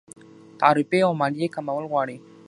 تعرفې او مالیې کمول غواړي.